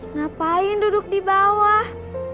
ngapain duduk di bawah